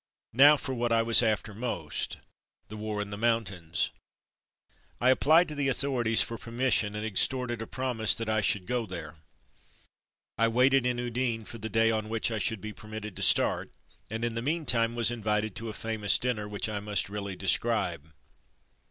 Now for what I was after most: the war in the mountains. I applied to the authorities for permission and extorted a promise that I should go there. I waited in Udine for the day on which I should be permitted to start, and, in the meantime, was invited to a famous dinner which I must really describe.